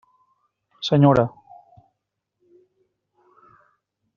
Senyora.